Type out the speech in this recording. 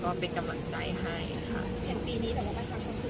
เห็นปีนี้แต่ว่าประชาชนทุกครั้งจะมาใช้สิทธิ์ใช้เสียง